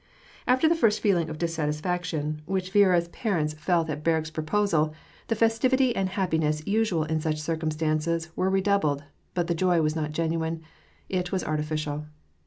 After the first feeling of dissatisfaction, which Viera's par 190 WAR AND PEACE. ents felt at Berg's proposal, the festivity and happiness usual in such circumstances were redoubled, but the joy was not genuine ; it was artificial.